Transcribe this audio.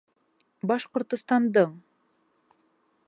Башҡортостандың